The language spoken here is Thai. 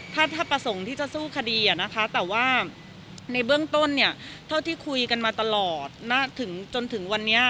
ถ้าประสงค์ที่จะสู้คดีนะคะแต่ว่าในเบื้องต้นเนี่ยเท่าที่คุยกันมาตลอดถึงจนถึงวันนี้